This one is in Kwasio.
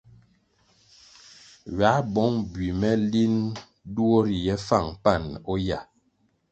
Ywā bong bui me linʼ duo riye fáng pani o yah.